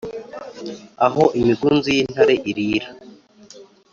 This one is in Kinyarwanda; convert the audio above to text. aho imigunzu y’intare irīra